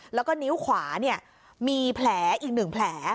แล้วก็นิ้วขวาเนี่ยมีแผลอีกหนึ่งแผล